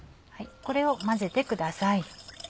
これを混ぜてください。